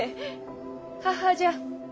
母じゃ。